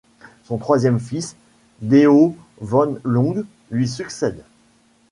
Son troisième fils, Deo Van Long, lui succède.